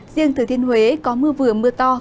riêng thừa thiên huế có mưa vừa mưa tăng